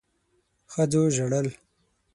ښځو ژړل.